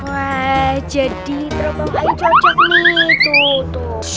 wah jadi teropong aja cocok nih tuh tuh